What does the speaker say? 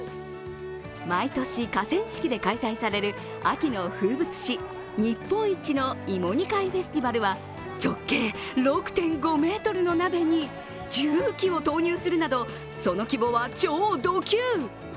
毎年、河川敷で開催される秋の風物詩、日本一の芋煮会フェスティバルは直径６．５ｍの鍋に重機を投入するなどその規模は超ド級。